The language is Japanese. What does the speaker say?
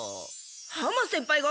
浜先輩が？